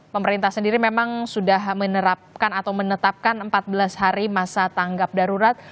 pemerintah sendiri memang sudah menerapkan atau menetapkan empat belas hari masa tanggap darurat